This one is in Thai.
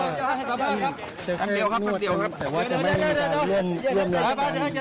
แต่ว่าจะไม่มีการเรื่องนวดค่ะ